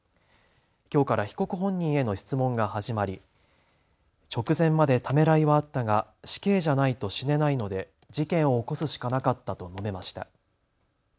きょうから被告本人への質問が始まり直前までためらいはあったが死刑じゃないと死ねないので事件を起こすしかなかったと述べました。